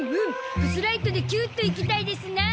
プスライトでキューッといきたいですなあ。